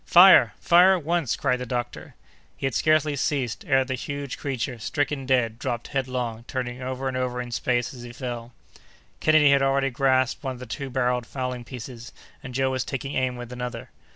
"Fire! fire at once!" cried the doctor. He had scarcely ceased, ere the huge creature, stricken dead, dropped headlong, turning over and over in space as he fell. Kennedy had already grasped one of the two barrelled fowling pieces and Joe was taking aim with another.